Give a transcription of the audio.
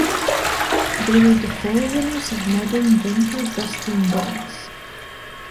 They were the forerunners of modern bunker-busting bombs.